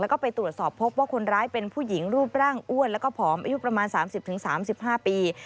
แล้วก็ไปตรวจสอบพบว่าคนร้ายเป็นผู้หญิงรูปร่างอ้วนแล้วก็ผอมอายุประมาณ๓๐๓๕ปี